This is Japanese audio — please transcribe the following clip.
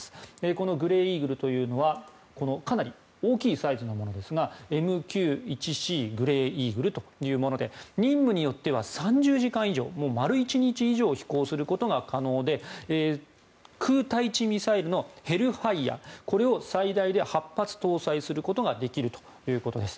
このグレーイーグルというのはかなり大きいサイズのものですがＭＱ１Ｃグレーイーグルというもので任務によっては３０時間以上丸１日以上飛行することが可能で空対地ミサイルのヘルファイアこれを最大で８発搭載することができるということです。